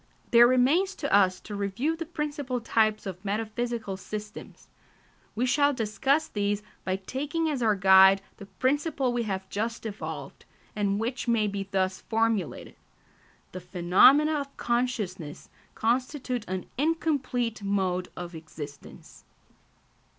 There remains to us to review the principal types of metaphysical systems. We shall discuss these by taking as our guide the principle we have just evolved, and which may be thus formulated: _The phenomena of consciousness constitute an incomplete mode of existence.